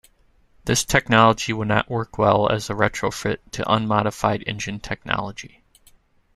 This technology would not work well as a retrofit to unmodified engine technology.